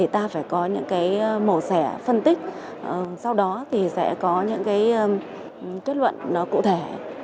ta phải có những mổ sẻ phân tích sau đó sẽ có những kết luận cụ thể